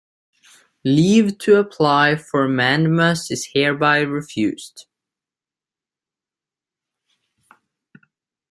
Leave to apply for mandamus is hereby refused.